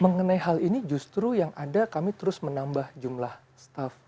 mengenai hal ini justru yang ada kami terus menambah jumlah staff